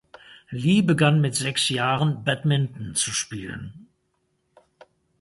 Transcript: Li begann mit sechs Jahren Badminton zu spielen.